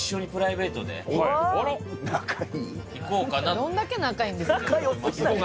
どんだけ仲いいんですか。